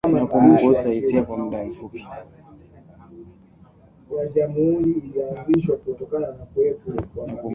Na kumgusa hisia kwa pigo kuu.